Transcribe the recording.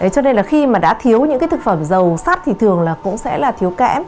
cho nên khi đã thiếu những thực phẩm dầu sát thì thường cũng sẽ thiếu kẽm